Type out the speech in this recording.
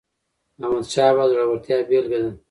احمدشاه بابا د زړورتیا بېلګه ده.